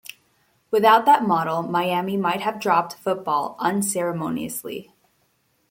Without that model, Miami might have just dropped football unceremoniously.